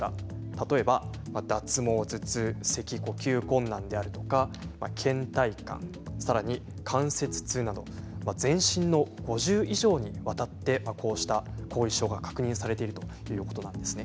脱毛や、呼吸困難、けん怠感さらには関節痛など全身の５０以上にわたってこうした後遺症が確認されているということです。